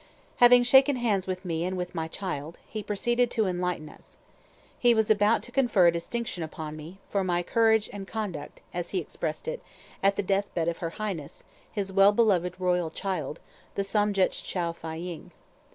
Having shaken hands with me and with my child, he proceeded to enlighten us. He was about to confer a distinction upon me, for my "courage and conduct," as he expressed it, at the death bed of her Highness, his well beloved royal child, the Somdetch Chow Fâ ying.